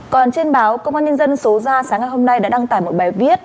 còn trên báo công an nhân dân số ra sáng ngày hôm nay đã đăng tải một bài viết